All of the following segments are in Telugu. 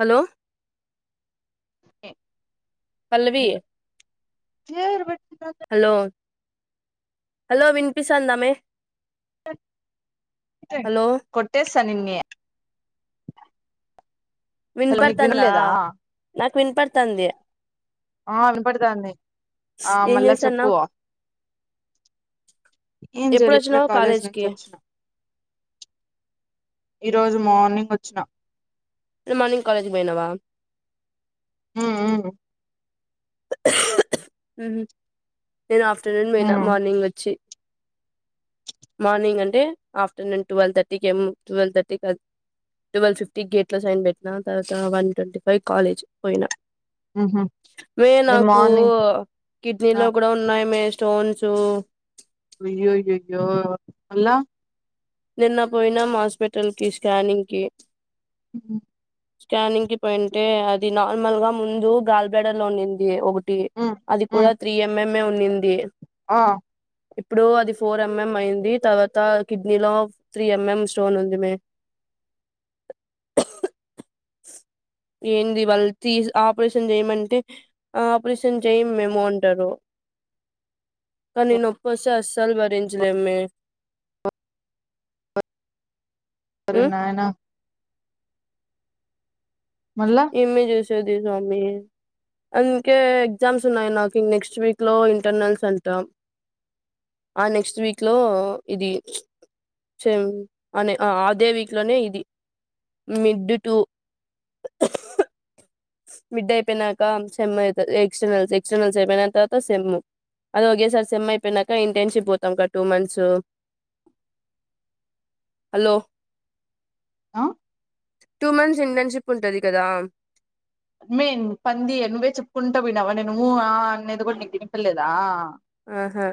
హలో [unintelligible] పల్లవి హలో హలో విన్నీపిస్తదా ఆమె కొట్టే సనిన్ నీకు వినపడతాందా వినలేదా నాకు వినపతది ఆ విన్పడతాంది, ఆ ఏం మళ్ళ చెప్పూ చేస్తాన్నావ్ ఏం ఎప్పుడు చేయలే ఇప్పుడే వచ్చినావు కాలేజ్ నుంచి కి ఒచ్చిన ఈ రోజు మార్నింగ్ ఓచ ఇ మార్నింగ్ కాలేజ్కి పొయ్నావా మ్ మ్ ఉహు నేను ఆఫ్టర్నూన్ పోయిన మార్నింగ్ ఒచ్చి మార్నింగ్ అంటే ఆఫ్టర్నూన్ ట్వెల్వ్ థర్టీకి ట్వెల్వ్ థర్టీ ఎల్ ట్వెల్వ్ ఫిఫ్టీ గేట్ లో సైన్ పెట్న తర్వాత వన్ ట్వంటీ ఫైవ్ కాలేజ్ పోయిన ఉహ్ మే నాకూ, కిడ్నీలో కూడ ఉన్నాయ ఆమె స్టోన్స్ అయ్యోయ్యోయ్యో అల్ల నిన్నపోయినం హాస్పిటల్కి స్కానింగ్కి మ్ స్కానింగ్ కి పోయింటే అది నార్మల్ గా ముందు గాల్బేడలో ఉండింది ఒక్ ది అది కూడ త్రీ ఎంఎంఏ ఉన్నింది ఆ ఇప్పుడు అది ఫోర్ ఎంఎం అయింది తర్వాత కిడ్ నిలో త్రీ ఎంఎం స్టోన్ ఉంది మే [inaudible] ఏంది వాళ్ళు తీస్ ఆపరేషన్ చేయ్యమంటే, ఆపరేషన్ చేయమ్ మేము అంటారు కాని నొప్పొస్తె అస్సల్ భరించలేమ్ మే [inaudible] ఒరి నాయన మళ్ళా ఏమి చూసేది స్వామి అందుకే ఎగ్జామ్స్ ఉన్నాయ్ నాక్ ఇ నెక్స్ట్ వీక్ లో ఇంటర్నల్స్ అంటా ఆ నెక్స్ట్ వీక్ లో ఇది అదే వీక్ లోనే ఇది, మిడ్ టూ మిడ్ అయిపోయినాక సెమ్ అయిత, ఎక్స్టర్నల్ ఎక్స్టర్నల్స్ అయిపోయ్నక తరత సెమ్ అదొకె సార్ సెమ్ఐపోయినాక ఇంటర్న్షిప్ పోతాంక్క టూ మంత్స్ హలొ అ టూమంత్స్ ఇంటర్న్షిప్ ఉంటది కదా మెన్ పంది నువ్వే చెప్పుకుంటవ్ వినవా నేన్ ఉ ఆ అనేది కూడ నీకు వినపలేదా ఆహా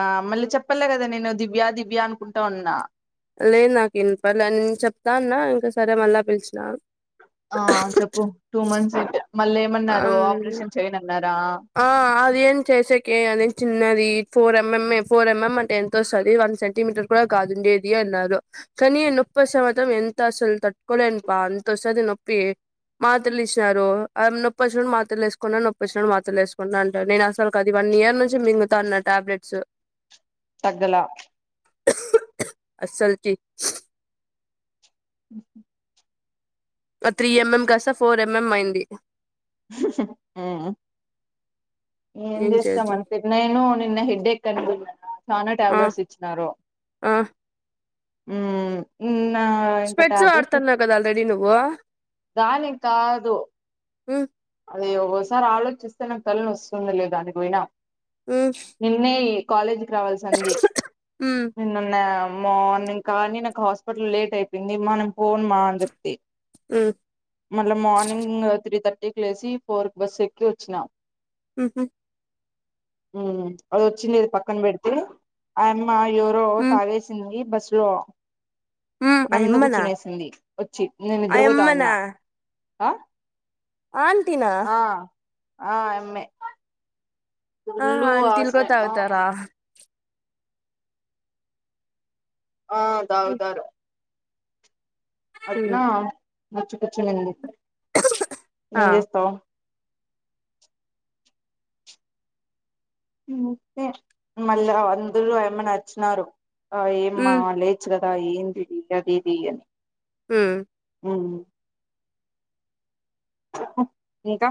ఆ మళ్ళీ చెప్పలే కద నేను దివ్య దివ్య అనుకుంటా ఉన్నా లేదు నాకు ఇ పల్ నేను చెప్తా అన్నా ఇంక సరే మళ్ళా పిలిచిన ఆ చెప్పు టూ మంత్స్ఇంటర్ అం ఆ అదిఏం చేసేకె అదెం చిన్నది ఫోర్ ఎంఎంఏ ఫోర్ ఎంఎం అంటే ఎంత ఒ స్తది, వన్ సెంటీమీటర్ కూడా కాదుండేది అన్నారు కానీ నేన్ తొస్తేమాత్రం ఎంత అస్సల్ తట్టుకోలేను ప అంతొస్తది నొప్పి మాత్రలిచ్చినారు అ నొప్పొచ్చిప్డు మాత్రలేస్కున్న నొప్పొచ్చినడు మాత్రలేసుకుంట్నా అంటారు నేను అసలు అది వన్ ఇయర్ నుంచి మింగతాన్నటా టాబ్లెట్స్ తగ్గలా అసల్ కి ఉహు అ త్రీ ఎంఎం కాస్తా ఫోర్ ఎంఎం అయింది ఊ ఏం చేస్తం అంతె నేను నిన్న హెడ్డెక్ అన్కున్న చానా ఆ టాబ్లెట్స్ ఇచ్చినారు ఆ మ్ మ్నా ఇంక స్పెట్స్ టాబ్లెట్స్ ఏసు వాడుతున్నావు కదా ఆల్రెడీ నువ్వు దానికి కాదు ఉ అది ఒగొసారి ఆలోచిస్తే నాకు తల నొస్తుంది లే దానికి పోయినా ఉ నిన్నే కాలేజీకి రావాల్సి అంది ఉ నిన్న ఉన్నా మార్నింగ్ కానీ నాకు హాస్పిటల్ లేట్ అయిపోయింది మ నేను పోను మా అని చెప్తి ఉ మళ్ళా మార్నింగ్ త్రీ థర్టీకి లేసి ఫోర్ బస్ ఎక్కి వచ్చినా హహ ఊ అది వచ్చిందేది పక్కన పెడితే ఆయ మా ఎవరో ఉ తాగేసింది బస్ లో మ్మ్ నా మీంద అయమ్మనా కూర్చునేసింది వచ్చి నేను నిద్రపోతాన్నా ఆ ఆంటి నా ఆ ఆ యామ్మే ఆ అంత తిల్క తాగుతారా ఆ తగుతారా అట్లా పచ్చి పచ్చి గ ఉంది ఆ ఏం చేస్తావు మళ్ళీ అందరూ ఆ అయిమ్మను అరిచినారు ఆ ఏమ్మా మ్మ్ లేచు కదా ఏందిది అది ఇది అని ఊ ఉ ఇంకా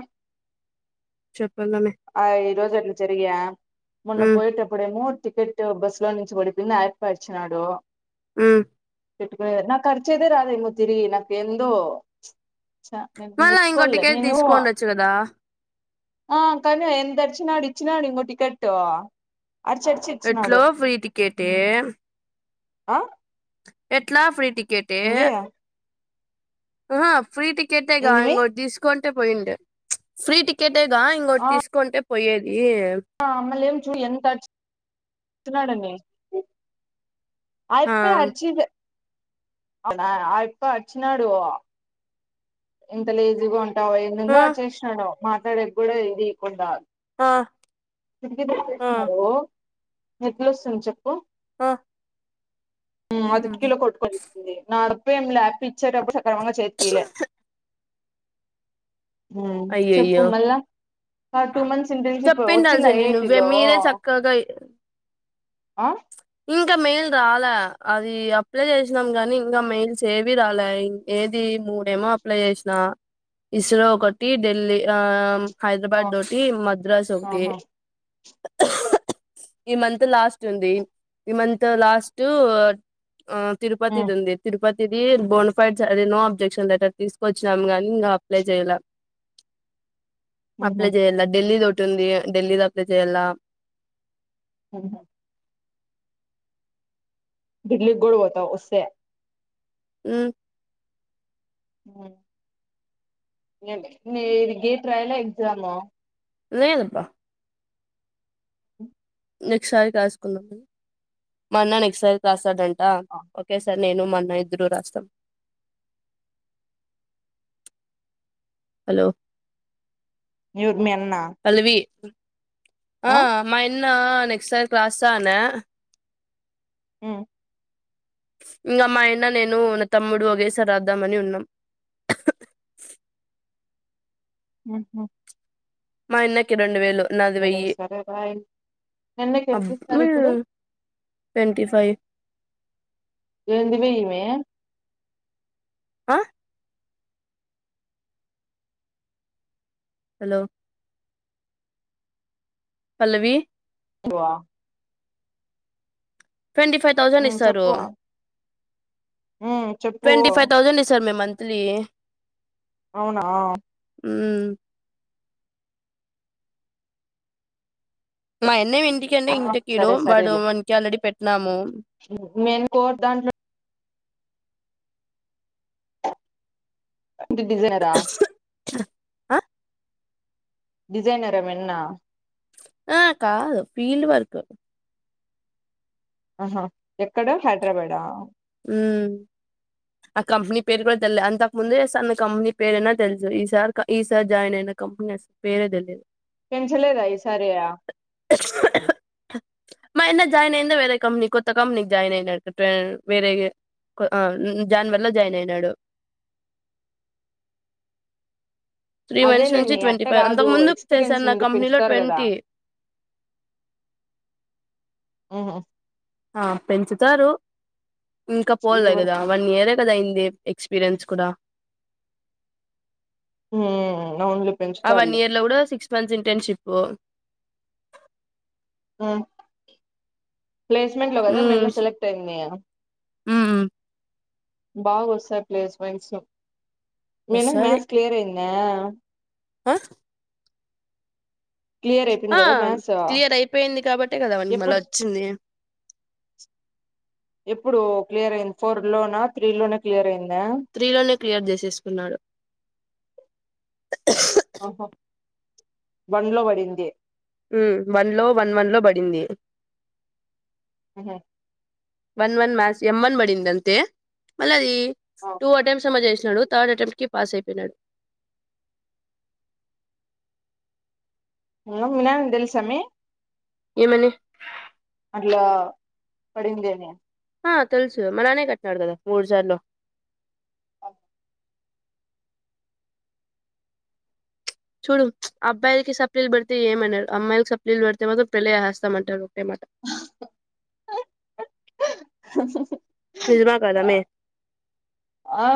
చెప్పలమే ప్రజట్లు చెరిగయా మొన్న మ్మ్ పోయిటప్పుడేమో టికెట్ బస్ లో నుంచి పడిపోయింది అయెప్ప అరిచినాడు ఉ తిట్టుకునే నాకు అరిచేదే రాదు తిరిగి నాకు ఎందో చ నేను మళ్ళా ఇంకో నేర్చుకోలే టికెట్ నేను తీసుకోండొచ్చు కదా ఆ కానీ ఎంత అరిచనాడు ఇచ్చినాడు ఇంకో టికెట్ అరిచరిచి ఎట్లో ఇచ్చినాడు ఫ్రీ టికెట్ ఏ ఆ ఎట్లా ఫ్రీ టికెట్ ఏ ఏంది ఆహా ఫ్రీ టికెటేగా ఏందిమి ఇంకోటి తీసుకుంటే పోయిండు ఫ్రీ టికెట్ అంతేగా ఇంకోకటి తీసుకుంటే పోయేది ఆ మల్లెం చూడాలే ఎంత అరిచి డనీ ఆ ఆయెప్పే అరిచి అడా అయెప్ప అరిచినాడు ఇంత లేజీగా ఉంటావు ఏదేందో ఆ అరిచేసినాడు మాట్లాడేవి కూడా ఏది ఈకుండా ఆ ప్రింట్ ఆ కొట్టేసినారు ఎట్లు వస్తుంది చెప్పు ఆ ఆది కిలో కొట్టుకొనిచ్చింది నాడప ఏం లే అయప్ప ఇచ్చేటప్పుడు వాంగా చేతికి ఇయ్యాలే ఉ చెప్పు అయ్యయ్యో మళ్ళా ఆ టూ మంత్స్ ఇంటర్న్షిప్ చిన్న చెప్పిండాల్సింది ఏజ్ నువ్వే లో మీరే చక్కగా ఆ ఇంకా మెయిల్ రాలా అది అప్లై చేసినాం కానీ ఇంకా మెయిల్స్ ఏవి రాలా ఏది మూడేమో అప్లై చేసిన ఇస్రో ఒకటి ఢిల్లీ ఆ హైదరాబాద్ ఒకటి మద్రాస్ ఒకటి ఆహా ఈ మంత్ లాస్ట్ ఉంది ఈ మంత్ లాస్ట్ ఆ తిరుపతి ఉహు ది ఉంది తిరుపతి ఇది బోనిఫైడ్ అ నో అబ్జెక్షన్ లెటర్ తీసుకొ వచ్చినాం గానీ ఇంకా అప్లై చెయల ఉహు అప్లై చెయల్ల ఢిల్లీది ఒకటి ఉంది ఢిల్లీది అప్లై చెయల్ల ఉహు డిల్లీ కూడా పోత వస్తే ఉ ఉ ఏంది ఏ గేట్ రాయాల ఎక్జాము లేదబ్బ నెక్స్ట్ సారి రాసుకుందామని మా అన్న నెక్స్ట్ సారి రాస్తాడంట ఒకేసారి నేను మా అన్న ఇద్దరు రాస్తాం హలో యు మీ అన్న పల్లవి ఆ మాయన్న నెక్స్ట్ సారి రాస్త అనా ఉ ఇంగా మాయన్న నేను నా తమ్ముడు ఒకేసారి రాద్దామని ఉన్నాం ఉహు మాయన్నకి రెండు వేలు నాది వెయ్యి సరే రాయి నెలకి అబ్ ఎంత ఇస్తారు మే ఇప్పుడు ట్వంటీ ఫైవ్ ఏంది వెయ్యి మే ఆ హలో పల్లవి వా ట్వంటీ ఫైవ్ తౌజండ్ ఉమ్ ఇస్తారు చెప్పు ఉమ్ చెప్పు ట్వంటీ ఫైవ్ తౌజండ్ ఇస్తారు మే మంత్లీ అవునా ఉ మాయన్నవి ఇంటికెల్లి ఆ ఇంటికిీడు వాడు మంచి ఆల్రెడీ పెట్టినాము మేన్ కో దాంట్లో డిజైనరా ఆ డిజైనరా మిన్నా ఆ కాదు ఫీల్డ్ వర్క్ ఆహా ఎక్కడ హైదరాబాద ఉ ఆ కంపెనీ పేరు కూడా తెలిలే అంతకు ముందే సన్ కంపెనీ పేరు అయినా తెలుసు ఈ సార్ ఈ సార్ జాయిన్ అయిన కంపెని పేరే తెలీదు పెంచలేద ఈ సారి మాయన్న జాయిన్ అయిందే వేరే కంపెనీ కొత్త కంపెనీకి జాయిన్ అయ్యిండంట పే వేరేగే ఆ జానవరి లో జాయిన్ అయినాడు త్రీ మంత్స్ అదేలే నుంచి మీ ట్వంటీ అట్ట ఫైవ్ కాదు అంతకు ముందు ఎక్స్పీరియన్స్ చేస్తన్న మీద కంపెనీలో పెంచుతారు కదా ట్వంటీ ఉహు ఆ పెంచుతారు ఇంకా ఫీల్డ్ పోలేదు కదా వర్క్ వన్ ఇయరే కదా అయిం ఎ ఎక్స్పీరియన్స్ కూడా ఊ ఆ వన్ ఇయర్ లో కూడా సిక్స్ మంత్స్ ఇంటర్నెషిప్పు. ఆ ప్లేస్మెంట్ లో కదా మీ అన్న సెలెక్ట్ అయింది. ఊ బాగా వస్తాయి ప్లేస్మెంట్సు మీ అన్న కి మ్యాథ్స్ క్లియర్ అయిందా. ఆ క్లియర్ అయిపోయింది ఆ కదా మ్యాథ్స్ క్లియర్ అయిపోయింది కాబట్టే కదండి మళ్ళ వచ్చింది. ఎప్పుడో క్లియర్ అయింది ఫోర్ లోనా త్రీ లోనే క్లియర్ అయింది. త్రి లోనే క్లియర్ చేసేసుకున్నాడు. అహా వన్లో పడింది. వన్ లో వన్ వన్ లో పడింది. అహ వన్ వన్ మ్యాథ్స్ ఎంమ్ వన్ పడింది అంతే మళ్లీ అది ఆ టూ అటెంప్స్ థర్డ్ అటెంప్ట్ కి పాస్ అయిపోయినాడు. ఇంగ మీ నాయనకి తెలుసా మే ఏమని ఇలా పడింది అని. ఆ తెలుసు మాలానే కట్టినాడు కదా మూడుసార్లు చూడు అబ్బాయిలకి సప్లీలు పెడితే ఏమనరు అమ్మాయిలకి సప్లీలు పడితే మాత్రం పెళ్లి చేసేస్తామంటారు ఒకే [unintelligible] [unintelligible] నిజమా కాదా మే ఆ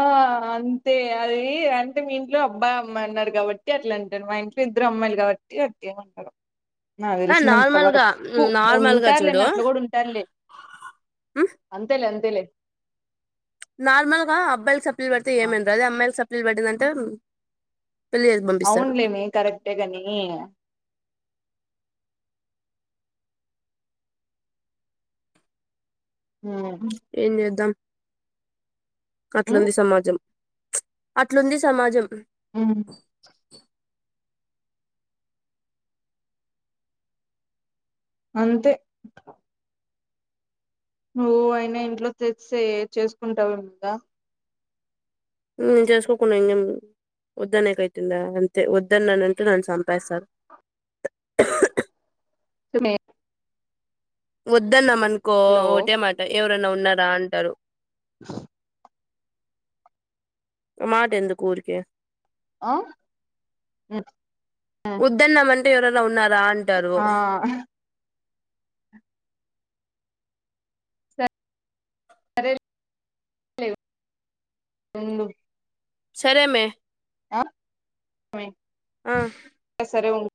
అంతే అది అంటే మీ ఇంట్లో అబ్బాయి అమ్మయి అంటారు కాబట్టి అట్లా అంటారు మా ఇన్ ఇద్దరు అమ్మాయిలు కాబట్టి అట్లా ఏముండదు నాకు ఆ తెలిసినంత నార్మల్ గా వరకు నార్మల్ గా ఉంటారులే చూడు మే అట్ల కూడా ఉంటారులే మ్ అంతేలే అంతేలే నార్మల్ గా అబ్బాయిలకి సప్లీలు పడితే ఆ ఏమండదే అమ్మాయిలకి సప్లీలు పడిందంటే పెళ్లి చేసి పంపిస్తారు అవునులే మే కరెక్టే కాని ఉ ఏం చేద్దాం అట్లుంది సమాజం. అట్లుంది సమాజం ఉ [unintelligible] అంతే నువ్వు అయినా ఇంట్లో తెచ్చే చేసుకుంటారు అంతా. ఉ చేసుకోకుండా ఇంకేం చేయమ వద్దనేకి అయితుందా అంతే వద్దన్నాను అంటే నన్ను చంపేస్తారు. [unintelligible] నిజమే వద్దన్నామనుకో హలో ఒకటే మాట ఎవరన్నా ఉన్నారా అంటారు [unintelligible] అ మాట ఎందుకు ఊరికే ఆ ఉమ్, వద్దన్నం అంటే ఎవరనా ఉన్నారా అంటారు ఆ మే ఉండు సరే మే ఆ సరే ఉండు